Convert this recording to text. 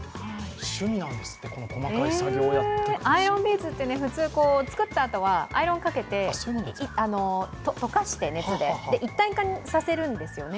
趣味なんですって、この細かい作業アイロンビーズって、普通作ったあとはアイロンかけて、熱で溶かして一体化させるんですよね。